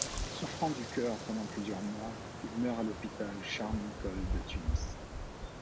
Souffrant du cœur pendant plusieurs mois, il meurt à l’hôpital Charles-Nicolle de Tunis.